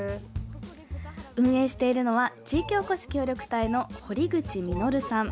運営しているのは地域おこし協力隊の堀口実さん。